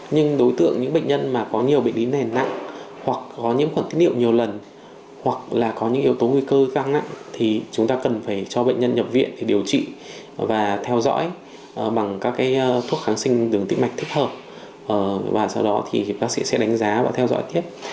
nhưng đối tượng những bệnh nhân mà có nhiều bệnh lý nền nặng hoặc có nhiễm khuẩn tiết niệu nhiều lần hoặc là có những yếu tố nguy cơ cao nặng thì chúng ta cần phải cho bệnh nhân nhập viện để điều trị và theo dõi bằng các thuốc kháng sinh đường tị mạch thích hợp và sau đó thì bác sĩ sẽ đánh giá và theo dõi tiếp